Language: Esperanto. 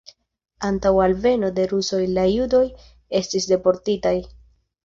Antaŭ alveno de rusoj la judoj estis deportitaj.